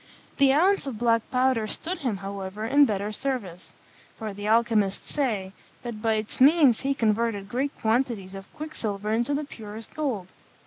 The ounce of black powder stood him, however, in better service; for the alchymists say, that by its means he converted great quantities of quicksilver into the purest gold.